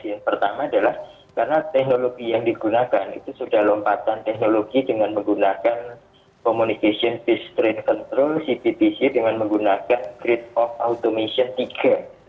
yang pertama adalah karena teknologi yang digunakan itu sudah lompatan teknologi dengan menggunakan communication base train control cptc dengan menggunakan great of automation tiga